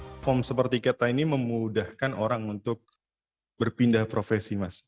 platform seperti kita ini memudahkan orang untuk berpindah profesi mas